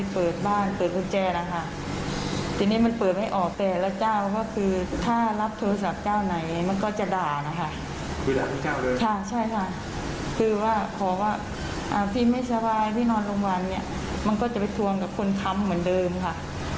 พี่ชาวายพี่นอนลงวันเนี่ยมันก็จะไปทวงกับคนค้ำเหมือนเดิมค่ะ